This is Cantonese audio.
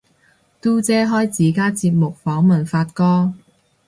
嘟姐開自家節目訪問發哥